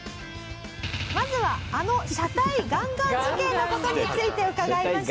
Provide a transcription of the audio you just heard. まずはあの車体ガンガン事件の事について伺いました。